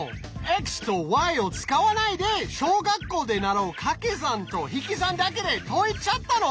ｘとｙを使わないで小学校で習うかけ算と引き算だけで解いちゃったの？